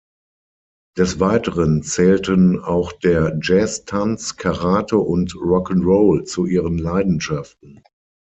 Des Weiteren zählten auch der Jazz-Tanz, Karate und Rock ’n’ Roll zu ihren Leidenschaften.